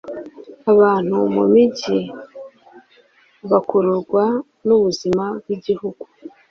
abantu mumijyi bakururwa nubuzima bwigihugu